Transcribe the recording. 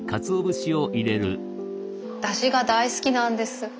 だしが大好きなんです。